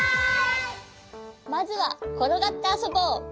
まずはころがってあそぼう。